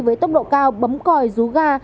với tốc độ cao bấm còi rú ga